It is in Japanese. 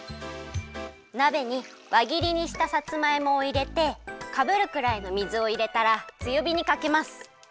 なべにわぎりにしたさつまいもをいれてかぶるくらいの水をいれたらつよびにかけます。